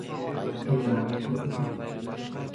Yzyraga geçip oturduk.